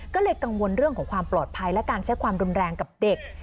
ก็เลยกังวลเรื่องของความปลอดภัยและการใช้ความรุนแรงกับเด็ก